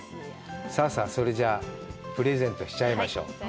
さあさあ、それじゃプレゼントしちゃいましょう。